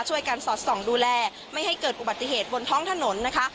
การสอดส่องดูแลไม่ให้เกิดอุบัติเหตุบนท้องถนนนะคะ